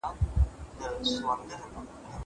زه به سبا مړۍ وخورم.